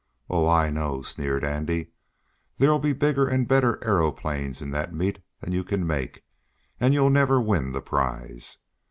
"Oh, I know," sneered Andy. "There'll be bigger and better aeroplanes in that meet than you can make, and you'll never win the prize."